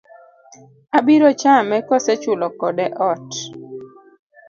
Abiro chame kose chulo kode ot?